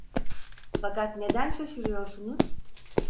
Fakat neden şaşırıyorsunuz?